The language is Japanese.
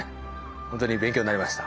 ほんとに勉強になりました。